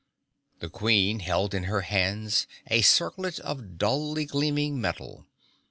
The Queen held in her hands a circlet of dully gleaming metal.